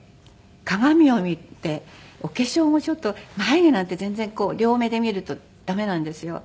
鏡を見てお化粧もちょっと眉毛なんて全然両目で見ると駄目なんですよ。